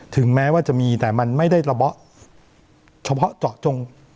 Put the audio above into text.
ถึงแม้ว่าจะมีแต่มันไม่ได้ระเบาะเฉพาะเจาะจง